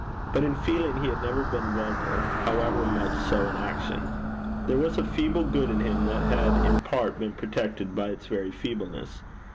But in feeling he had never been vulgar, however much so in action. There was a feeble good in him that had in part been protected by its very feebleness.